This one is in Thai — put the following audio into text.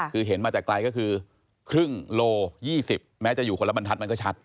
คือเห็นมาแต่ไกลก็คือครึ่งโล๒๐แม้จะอยู่คนละบรรทัศนมันก็ชัด